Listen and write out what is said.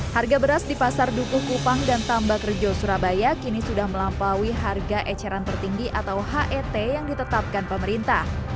harga beras di pasar dukuh kupang dan tambak rejo surabaya kini sudah melampaui harga eceran tertinggi atau het yang ditetapkan pemerintah